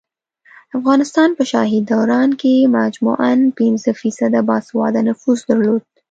افغانستان په شاهي دوران کې مجموعاً پنځه فیصده باسواده نفوس درلود